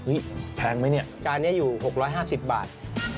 แพงไหมเนี่ยจานนี้อยู่๖๕๐บาท